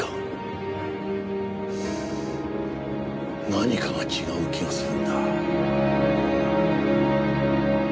何かが違う気がするんだ。